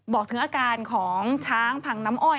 บอกถึงอาการของช้างพังน้ำอ้อย